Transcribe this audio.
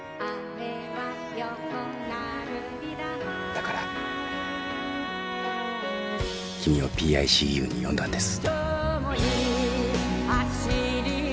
だから君をＰＩＣＵに呼んだんです。